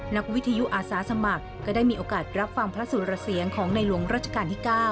นักวิทยุอาสาสมัครก็ได้มีโอกาสรับฟังพระสุรเสียงของในหลวงราชการที่๙